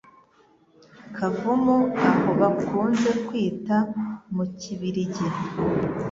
Kavumu aho bakunze kwita mu Kibiligi,